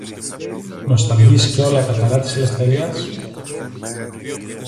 Νοσταλγείς κιόλα τα καλά της ελευθερίας;